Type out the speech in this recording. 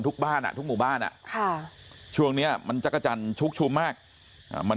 บ้านอ่ะทุกหมู่บ้านอ่ะค่ะช่วงเนี้ยมันจักรจันทร์ชุกชุมมากมัน